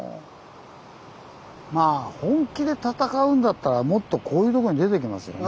まあ本気で戦うんだったらもっとこういうとこに出てきますよね。